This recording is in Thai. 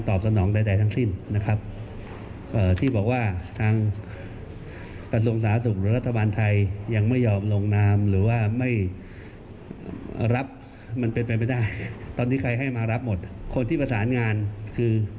ทั้ง๒หน่วยงานนี้ยังไม่ได้รับการประสานงานใด